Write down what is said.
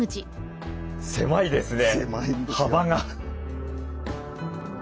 狭いですね幅が。